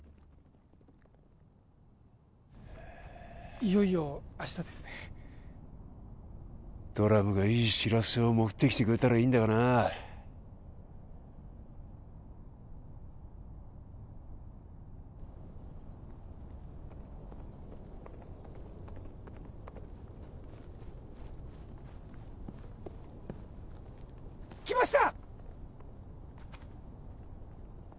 いよいよ明日ですねドラムがいい知らせを持ってきてくれたらいいんだがな来ました！